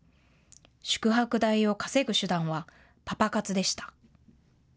宿泊代を稼ぐ手段はパパ活でした。